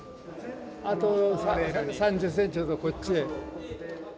あと３０センチほどこっちへ。